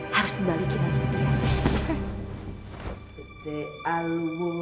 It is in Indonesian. harus dibalikin lagi